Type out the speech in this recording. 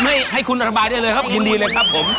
ให้ให้คุณระบายได้เลยครับยินดีเลยครับผม